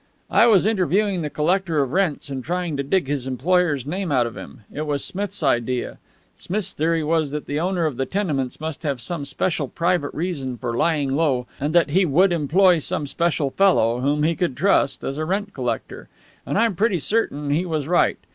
"I was interviewing the collector of rents and trying to dig his employer's name out of him. It was Smith's idea. Smith's theory was that the owner of the tenements must have some special private reason for lying low, and that he would employ some special fellow, whom he could trust, as a rent collector. And I'm pretty certain he was right.